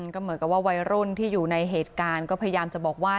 ก็เหมือนกับว่าวัยรุ่นที่อยู่ในเหตุการณ์ก็พยายามจะบอกว่า